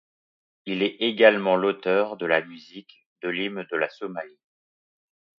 Il est également l'auteur de la musique de l'hymne de la Somalie.